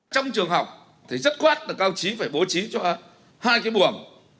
trong trường học thì dứt khoát là cao trí phải bố trí cho hai cái buồng